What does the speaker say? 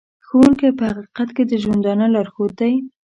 ښوونکی په حقیقت کې د ژوندانه لارښود دی.